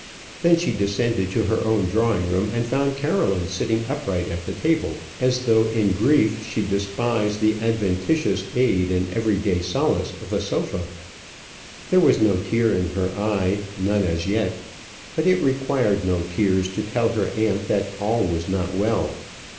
Then she descended to her own drawing room, and found Caroline sitting upright at the table, as though in grief she despised the adventitious aid and every day solace of a sofa. There was no tear in her eye, none as yet; but it required no tears to tell her aunt that all was not well.